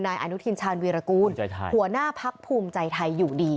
นายอนุทินชาญวีรกูลหัวหน้าพักภูมิใจไทยอยู่ดี